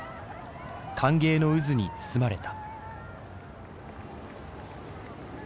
歓迎の渦に包まれた。